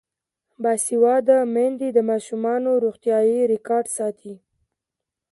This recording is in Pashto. باسواده میندې د ماشومانو روغتیايي ریکارډ ساتي.